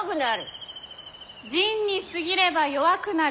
仁に過ぎれば弱くなる！